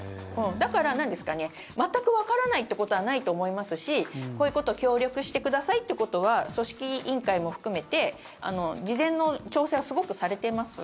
だから、全くわからないってことはないと思いますしこういうこと協力してくださいということは組織委員会も含めて事前の調整はすごくされています。